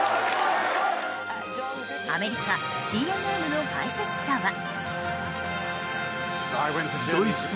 アメリカＣＮＮの解説者は。